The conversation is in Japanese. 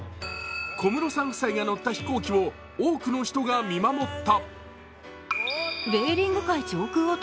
小室さん夫妻が乗った飛行機を多くの人が見守った。